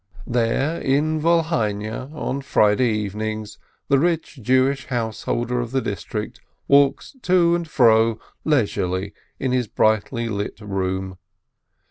There, in Volhynia, on Friday evenings, the rich Jewish householder of the district walks to and fro leisurely in his brightly lit room.